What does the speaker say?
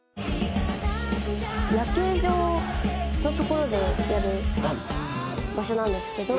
「野球場の所でやる場所なんですけど」